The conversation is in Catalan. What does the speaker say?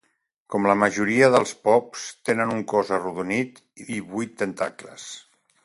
Com la majoria dels pops, tenen un cos arrodonit i vuit tentacles.